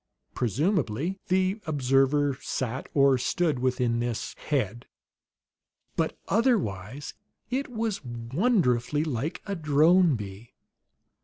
Presumably, the observer sat or stood within this "head." But otherwise it was wonderfully like a drone bee.